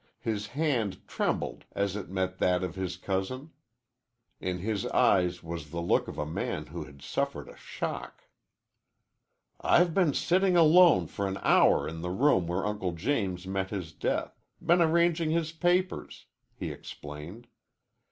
His hand trembled as it met that of his cousin. In his eyes was the look of a man who has suffered a shock. "I've been sitting alone for an hour in the room where Uncle James met his death been arranging his papers," he explained.